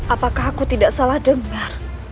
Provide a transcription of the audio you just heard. apakah aku tidak salah debar